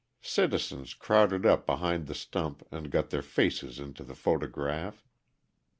Citizens crowded up behind the stump and got their faces into the photograph.